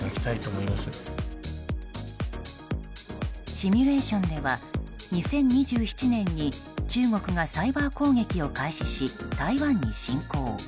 シミュレーションでは２０２７年に中国がサイバー攻撃を開始し台湾に侵攻。